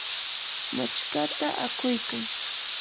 machkata akuykan.